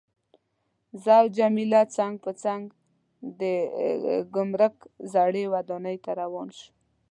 زه او جميله څنګ پر څنګ د ګمرک زړې ودانۍ ته روان شوو.